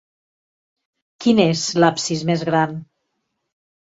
Quin és l'absis més gran?